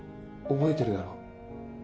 覚えてるだろ？